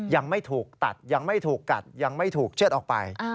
ยังไม่ถูกตัดยังไม่ถูกกัดยังไม่ถูกเชื่อดออกไป